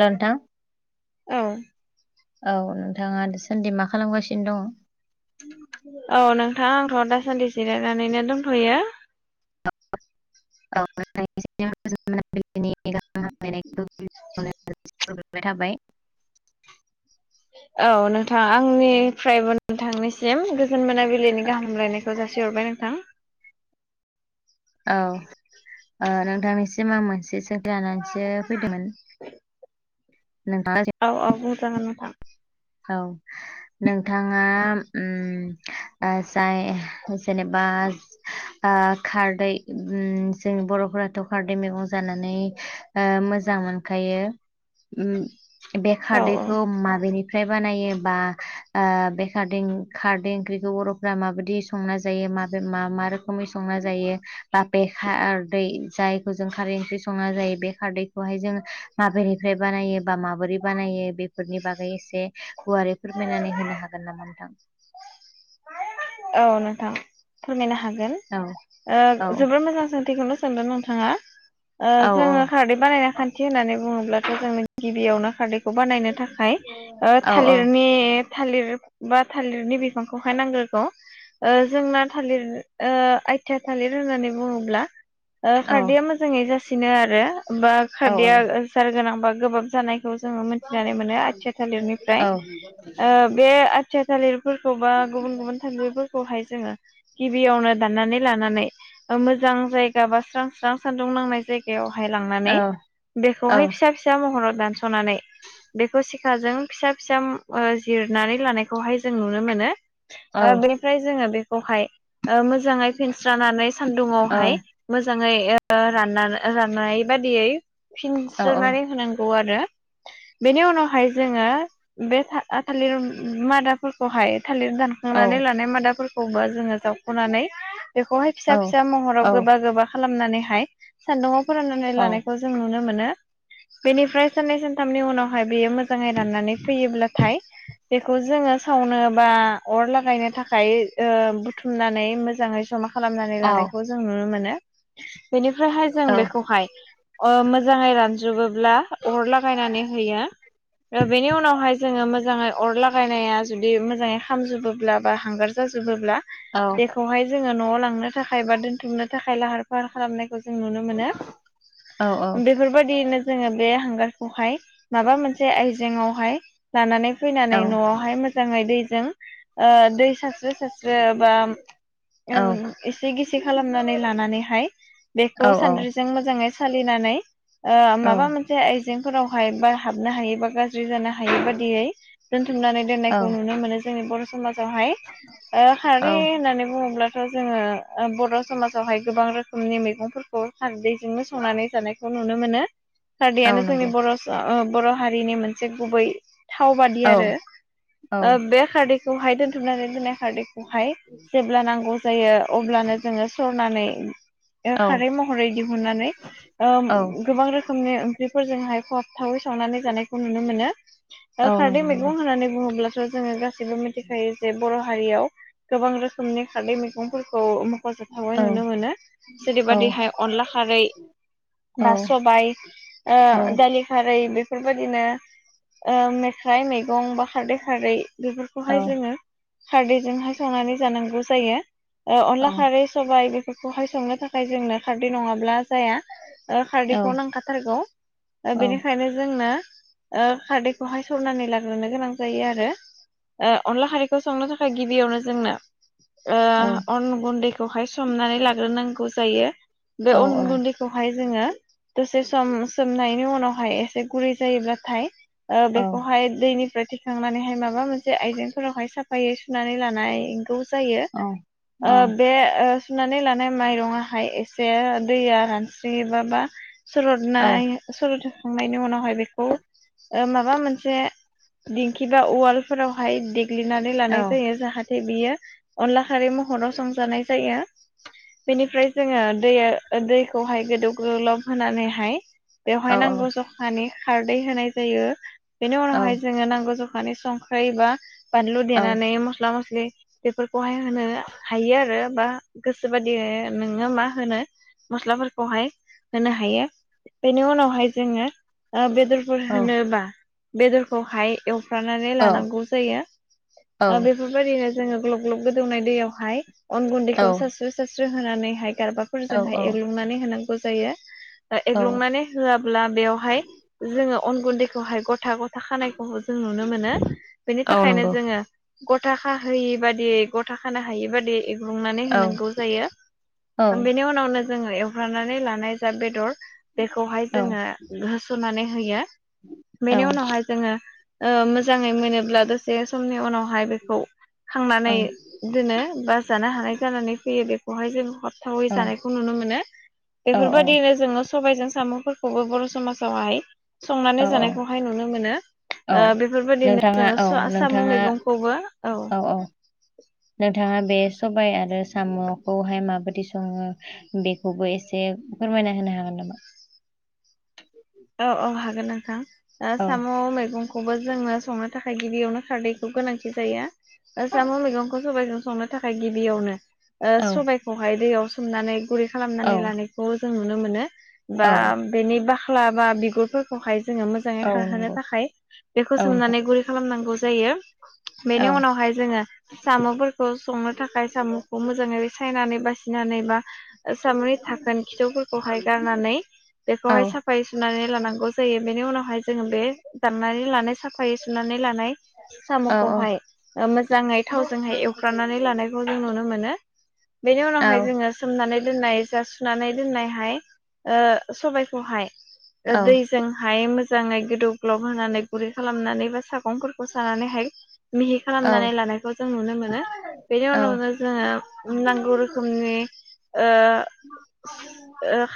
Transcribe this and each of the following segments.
हेल' नोंथां, औ औ नोंथाङा दासान्दि मा खालामगासिनो दङ'? औ नोंथां आंथ' दासान्दि जिरायनानैनो दोनथ'यो। औ [unintelligible] [unintelligible] थाबाय। औ नोंथां आंनिफ्रायबो नोंथांनिसिम गोजोन मोनाबिलिनि गाहाम हामलायनायखौ जासिहरबाय नोंथां। औ ओ नोंथांनिसिम आं मोनसे सोंथि लानानैसो फैदोंमोन। नोंथाङा [unintelligible] औ औ बुंजागोन नोंथां। औ नोंथाङा ओम ओ जाय जेनेबा ओ खारदै ओम जोंनि बर'फोराथ' खारदै मैगं जानानै ओ मोजां मोनखायो ओम बे औ खारदैखौ माबेनि फ्राय बानायो बा ओ बे खारदै खारदै ओंख्रिखौ बर'फोरा माबादि संना जायो माजों मा मा रोखोमै संना जायो बा बेे खारदै जाय जों खारै ओंख्रि संना जायो बे खारदैखौहाय जोङो माबेनिफ्राय बानायो बा माबोरै बानायो बे फोरनि बागै एसे गुवारै फोरमायनानै होनो हागोन नामा नोंथां? औ नोंथां फोरमायनो हागोन। औ औ ओ जोबोर मोजां सोंथिखौनो सोंदों नोंथाङा। ओ औ जोङो खारै बानायनाय खान्थि होननानै बुङोब्लाथ' जोंनो गिबियावनो खारदैखौ बानायनो थाखाय ओ औ थालिरनि थालिर बा थालिरनि बिफांखौहाय नांग्रोगौ। जोंना थालिर आइथिया थालिर होननानै बुङोब्ला औ खारदैया मो जाङै जासिनो आरो बा औ खारदया सार गोनां बा गोबाब जानाय खौ जोङो मिथिनानै मोनो आया औ थालिरनिफ्राय। ओ बे खुथिया थालिरफोरखौ बा गुबुन गुबुन थालिरफोरखौहाय जोङो गिबियावनो दाननानै लानानै मोजां जायगा बा स्रां स्रां सान्दुं नांनाय जाय गायावहाय लांनानै औ बेखौहाय फिसा फिसा महराव दानस'नानै बेखौ सिखाजों फिसा फिसा जिरनानै लानायखौहाय जों नुनो मोनो। औ बेनिफ्राय जोङो बेखौहाय मोजाङै फिनस्रानानै सान्दुङावहाय मोजाङै रानना राननाय बादियै औ फिनस्रोनानै होनांगौ आरो। बेनि उनावहाय जोङो बे थालिर मादाफोरखौहाय थालिर दान खांनानै लानाय मादाफोरखौबो जोङो जावख'नानै बेखौहाय फिसा फिसा औ महराव गोबा गोबा खालामनानैहाय सान्दुंआव फोराननानै औ लानायखौ जों नुनो मोनो। बेनिफ्राय साननै सानथामनि उनाव हाय बेयो मोजाङै राननानै फैयोब्लाथाय बेखौ जोङो सावनो बा अर लागायनो थाखाय बुथुमनानै मोजाङै जमा खालामनानै औ लानायखौ जों नुनो मोनो। बेनिफ्रायहाय जों औ बेखौहाय ओ मोजाङै रानजुबोब्ला अर लागायनानै होयो। ओ बेनि उनावहाय जोङो मोजाङै अर लागायनाया जुदि मोजाङै खामजोबोब्ला बा हांगार जाजोबोब्ला औ। बेेखौहाय जोङो न'आव लांनो थाखाय बा दोनथुमनो थाखाय लाहार फाहार खालामनायखौ जों नुनो मोनो। औ बेफोरबायदिनो जोङो बे हांगारखौहाय माबा मोनसे आयजेेङावहाय लानानै औ फैनानै न'आवहाय मोजाङै दैजों ओ दै सारस्रो सास्रो बा औ ओ एसे गिसि खालामनानै लानानैहाय बेखौ सानद्रिजों जों मोजाङै सालिनानै, ओ औ माबा मोनसे आय जेंफोरावहाय बा हाबनो हायै बा गाज्रि जानो हायै बादियै दोनथुमनानै दोननायखौ नुनो मोनो जोंनि बर' समाजावहाय। ओ खारै औ होननानै बुङोब्लाथ' जोङो ओ बर' समाजावहाय गोबां रोखोमनि मैगंफोरखौ खारदैजोंनो संनानै जानायखौ नुनो मोनो। औ खारदैयानो जोंनि नंगौ बर' स ओ बर' हारिनि मोन से गुबै थाव बादि औ आरो। औ बे खारदैखौहाय दोनथुमनानै दोन्नाय खारदैखौहाय जेब्ला नांगौ जायो अब्लानो जोङो सरनानै ओ औ खारै महरै दिहुननानै ओ औ गोबां रोखोमनि ओंख्रिफोरजोंहाय खहाब थावै संनानै जानायखौ नुनो मोनो। दा औ खारदै नंगौ मैगं नंगौ होननानै बुङोब्लाथ' जोङो गासै बो मिथिखायो जे बर' हारियाव गोबां रोखोमनि खारदै मैगंफोरखौ फोजोबथावै औ नुनो मोनो। औ जेरैबादिहाय अनला खारै औ बा सबाय ओ औ औ दालि खारै बेफोरबायदिनो ओ मेखाइ मैगं बा खारदै खारै बेफोरखौहाय औ जोङो खारदैजोंहाय संनानै जानांगौ जायो। ओ औ अनला खारै सबाइ बेफोरखौहाय संनो थाखाय जोंनो खारदै नङाब्ला जाया। ओ खारदैखौ नांखाथारगौ बेनिखायनो जोंनो। खारदैखौहाय सरनानै लाग्रोनो गोनां जायो आरो अनला खारैखौ संनो थाखाय गिबियावनो जोंनो अन गुन्दैखौ खौहाय सनानै लाग्रोनांगौ जायो बे अन गुन्दै खौहाय जोङो दसे सम सोमनायनि उनावहाय एसे गुरै जायोब्लाथाय बेखौहाय दैनिफ्राय थिखांनानैहाय माबा मोनसे आइजेंफोरावहाय साफायै सुनानै लानांगौ जायो औ बे सुनानै लानाय माइरंआहाय एसे दैया रानस्रियोबाबा औ सरदनाय सलि'थखांनायनि उनावहाय बेखौ माबा मोनसे दिंखि बा उवाल फोरावहाय देग्लिनानै लानाय जायो जाहाथे नाथाय बियो अनला खारि महराव संजानाय जायो बेनिफ्राय जोङो दैया दैखौहाय गोदौ गोलब होनानैहाय बेवहाय नांगौ जखानि खारदै होनाय जायो बेनि उनावहाय जोङो नांगौ जखानि संख्रि एबा बानलु देनानै मस्ला मस्लि बेफोरखौहाय होनो हायो आरो बा गोसो बायि नोङो मा होनो मस्लाफोरखौहाय होनो हायो बेनि उनावहाय जोङो बेदर होनोबा बेदरखौहाय एवफ्रानानै लानांगौ जायो बेफोरबायदिनो जोङो ग्लब ग्लब गोदौनाय दैयावहाय अन गुन्दैखौ सारस्रि सारस्रि होनानैहाय गारबा फोरजोंहाय एग्लुंनानै होनांगौ जायो एग्लुंनानै होआब्ला बेयावहाय जोङो अन गुन्दैखौहाय गथा गथा खानायखौ जों नुनो मोनो। बेनि औ थाखायनो नंगौ औ जोङो गथा खाहोयि बादियै गथ खानो हायि बादि। बुंनानै होनांगौ औ जायो बेनि उनावनो। जोङो एवफ्रनानै लानाय जा बेदर बेखौहाय जोङो औ होस'नानै होयो। बेनि उनावहाय जोङो मोजाङै मोनोब। अब्ला दसे समनि उनावहाय बेखौ खांनानै दोनो बा जानो हानाय जानानै फैयो बेखौहाय जों। थावै जानायखौ नुनो मोनो औ बेफोरबायदिनो जोङो। सबायजों साम'फोरखौबो बर' समाजावहाय। संनानै औ औ जानायखौहाय नुनो मोनो औ बेफोरबायदिनो। नोंथाङा जोङो औ सु साम' नोंथाङा मैगंखौबो औ। नोंथाङा बे सबाय आरो साम'खौहाय माबाददि सङो। बेखौबो एसे फोरमायना होनो हागोन नामा? औ औ हागोन नोंथां औ साम' मैगं। खौबो जोङो संनो थाखाय गिबियावनो खारदैखौ गोनांथि जायो साम' मैगंखौ। सबबायजों संनो थाखाय गिबियावनो औ सबाइखौहाय दैयाव सोमनानै गुरै औ खालामनानै लानाय। खौ जों नुनो मोनो बा औ बेनि बाख्ला बा बिगुरफोरखौहाय जोङो मोजां मोजाङै औ खारहोनो नंगौ थाखाय बेखौ औ नोंथां सोमनानै गुरै खालामनांगौ जायो। बेनि औ उनावहाय जोङो साम'। संनो थाखाय साम'खौ मोजाङै सायनानै बासिनानै बा साम'नि थाखोन खिथौफोरखौहाय गारनानै औ बेखौहाय साफ साफायै सुनानै लानांगौ जायो बेनि उनावहाय जोङो बे दाननानै लानाय साफायै सुनानै लानाय। औ साम'खौहाय मोजाङै थावजोंहाय एवफ्रनानै लानायखौ जों नुनो मोनो। बेनि औ उनावहाय जोङो सोमनानै दोननाय जा सुनानै दोननायहाय सबायाइखौहाय। औ दैजोंहाय मोजाङै गोदौ ग्लब होनानै गुरै खालामनानै बा सागं सानानैहाय मिहि औ खालामनानै लानायखौ जों नुनो मोनो बेनि औ उनावनो जोङो नांगौ रोखोमनि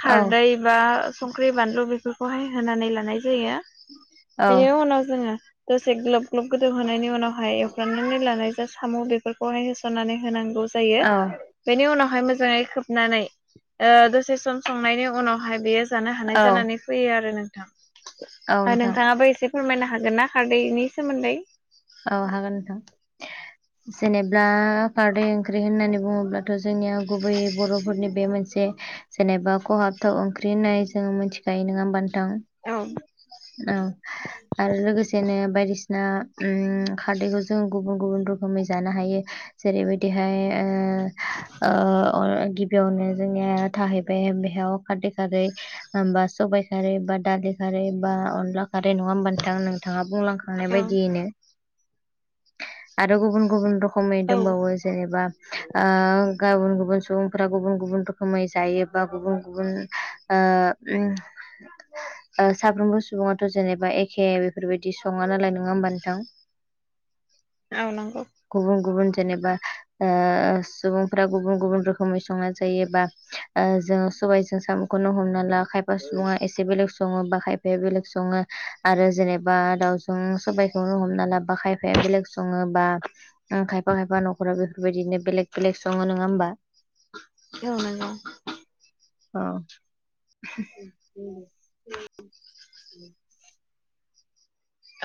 खारदै। बा संख्रि बानलु बेफोरखौहाय होनानै लानाय जायो औ बेनि उनाव जोङो। दसे ग्लोब ग्लोब गोदौहोनायनि उनावहाय एवफ्रामनानै लानाय जा साम' बेफोरखौहाय होसननानै होनांगौ। जायो बेनि उनावहाय मोजाङै खोबनानै दसे सम संनायनि उनावहाय बेयो। जानो हानाय औ जानानै फैयो आरो औ नोंथां नोंथां नोंथाङाबो एसे फोरमायनो हागोन ना खारदैनि सोमोन्दै? औ हागोन नोंथां जेनेबा खारदै। ओंख्रि होननानै बुङोब्लाथ' जोंनिया गुबैयै बर'फोरनि बे मोनसे जेनेबा खहाबथाव ओंख्रि होननाय जोंङ मिथिखायो नङा होनबा नोंथां? औ औ आरो लोगोसेनो बायदिसिना उम खारदैखौ जों गुबुन गुबुन रोखोमै जानो हायो। जेरैबायदिहाय ओ-ओ गिबियावनो जोंनिया थाहैबाय बेयाव। फाथो खारै होमबा सबायाइ खारै बा दालि खारै बा अनला खारै नङा होमबा नोंथां नोंथाङा बुंलां खांनाय औ बायदियैनो आरो गुबुन-गुबुन र'खमै औ दंबावो। जेनेबा गुबुन-गुबुन सुबुंफोरा गुबुन-गुबुन रोखोमै जायो। बा गुबन-गुबुन ओ उम साफ्रोमबो सुबुङाथ' जेनेबा एखे बेफोरबायदि सङा नालाय नङा होमबा नोंथां? औ नांगौ। गुबुन-गुबुन जेनेबा ओ सुबुंफोरा गुबुन-गुबुन रोखोमै संनाय जायोबा ओ जोङो सबायजों साम' खौनो हमना ला खायफा सुबुङा एसे बेलेग सङो बा खायफाया बेलेग सङो आरो जेनेबा दाउ सबायखौनो हमना लाबा बा खायफाया बेलेग सङोबा उम खायफा खायफा नखराव बेफोरबायदिनो बेलेग-बेलेग सङो नङा होमबा। ओ नंगौ। अ